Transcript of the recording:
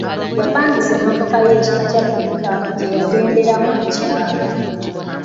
Yapangisa emmotoka ey'ekika kya `Pick-up' gye yagenderamu mu kyalo.